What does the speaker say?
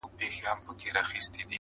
• یوه خولگۍ خو مسته، راته جناب راکه.